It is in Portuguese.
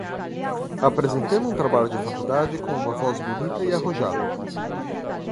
Apresentando um trabalho de faculdade com uma voz bonita e arrojada